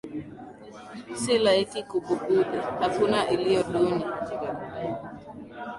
Si laiki kubughudhi, hakuna iliyo duni